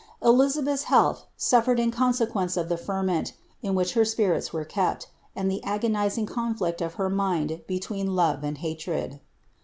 Elizabeth's health snftmi in consequence of the fermenl in which her spirits were kept, and iht agonizing conflict of her mind between love and hatred.